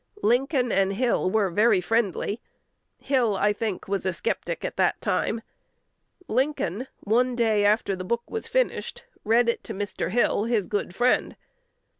Lincoln and Hill were very friendly. Hill, I think, was a sceptic at that time. Lincoln, one day after the book was finished, read it to Mr. Hill, his good friend.